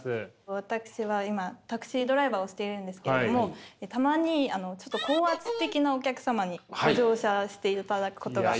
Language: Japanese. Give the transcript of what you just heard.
私は今タクシードライバーをしているんですけれどもたまにちょっと高圧的なお客様にご乗車していただくことが。